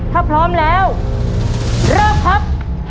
ถ้าพร้อมแล้วเริ่มครับ